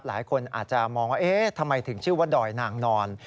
หลายคนอาจจะมองว่าเอ๊ะทำไมถึงชื่อว่าดอยนางนอน